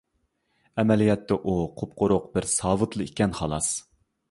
ئەمەلىيەتتە ئۇ قۇپقۇرۇق بىر ساۋۇتلا ئىكەن، خالاس.